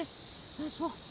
よいしょ。